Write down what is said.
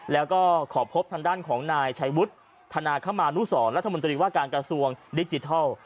แล้วก็ขอพบทางด้านของนายชัยวุฒิธนาคมานุสรรัฐมนตรีว่าการกระทรวงดิจิทัล